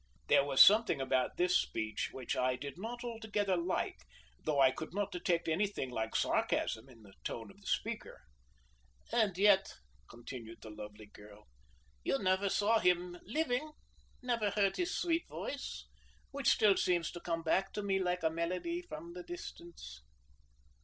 There was something about this speech which I did not altogether like, though I could not detect anything like sarcasm in the tone of the speaker. "And yet," continued the lovely girl, "you never saw him living never heard his sweet voice, which still seems to come back to me like a melody from the distance."